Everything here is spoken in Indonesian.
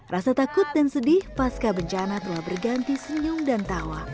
rasa takut dan sedih pasca bencana telah berganti senyum dan tawa